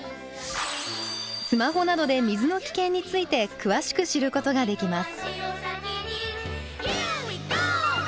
スマホなどで水の危険についてくわしく知ることができます。